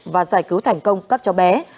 và giải cứu thành công các chó bé